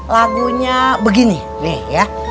lagunya begini nih ya